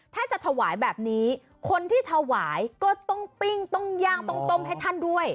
ถ้าจะถวายแบบนี้คนที่ถวายก็ต้องปิ้งต้องย่างต้องต้มให้ท่านด้วย